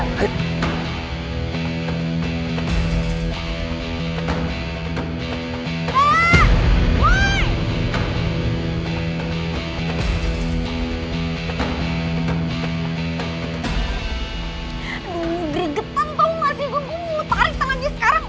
aduh gregetan tau gak sih gue gue mau tarik tangannya sekarang